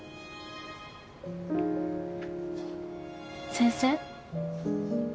先生？